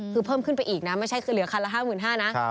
คือเพิ่มขึ้นไปอีกนะไม่ใช่คือเหลือคันละ๕๕๐๐นะ